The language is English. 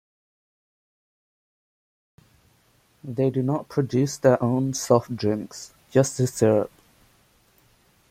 They do not produce their own soft drinks, just the syrup.